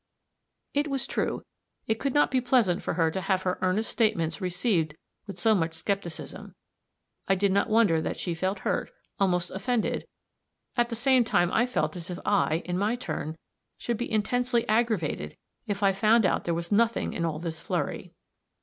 It was true; it could not be pleasant for her to have her earnest statements received with so much skepticism; I did not wonder that she felt hurt, almost offended; at the same time I felt as if I, in my turn, should be intensely aggravated if I found out there was nothing in all this flurry.